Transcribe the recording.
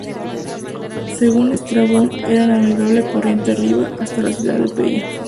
Según Estrabón era navegable corriente arriba hasta la ciudad de Pella.